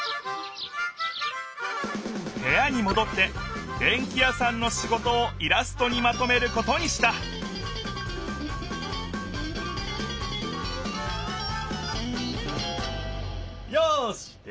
へやにもどってでんき屋さんの仕事をイラストにまとめることにしたよしできた！